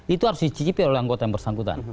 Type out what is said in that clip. itu harus dicicipi oleh anggota yang bersangkutan